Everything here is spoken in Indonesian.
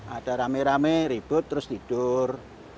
ada rame rame ribut terus tidur